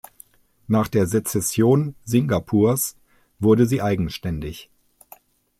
Nach der Sezession Singapurs wurde sie eigenständig.